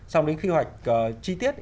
xong đến quy hoạch chi tiết